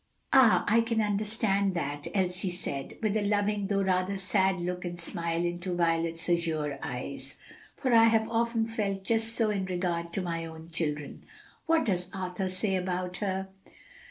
"Ah, I can understand that," Elsie said, with a loving though rather sad look and smile into Violet's azure eyes, "for I have often felt just so in regard to my own children. What does Arthur say about her?"